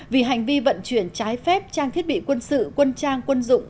vì hành vi vận chuyển trái phép trang thiết bị quân sự quân trang quân dụng